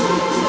ya gue seneng